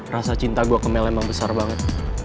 rasa cinta gue ke mel emang besar banget